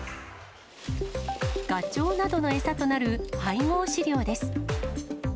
ガチョウなどの餌となる配合飼料です。